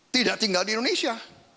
tidak tinggal di indonesia